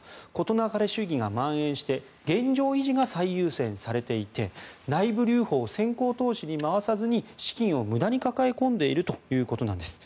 なかれ主義がまん延して現状維持が最優先されていて内部留保を先行投資に回さずに資金を無駄に抱え込んでいるということなんです。